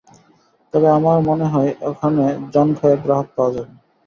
তবে আমার মনে হয়, এখানে জনকয়েক গ্রাহক পাওয়া যাবে।